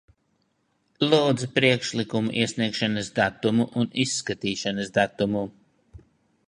Lūdzu priekšlikumu iesniegšanas datumu un izskatīšanas datumu.